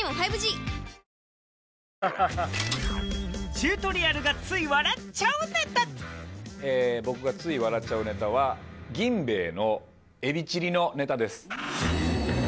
チュートリアルがつい笑っち僕がつい笑っちゃうネタは、銀兵衛エビチリのネタです。